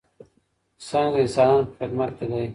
ساینس د انسانانو په خدمت کې دی.